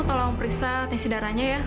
tolong periksa tesidara nya ya